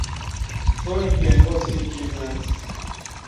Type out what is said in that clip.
Az olimpián nyolcadikként zárt.